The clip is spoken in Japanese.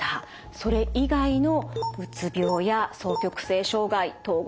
それ以外のうつ病や双極性障害統合